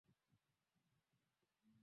mambo mengine ni ukiukaji wa haki za kisiasa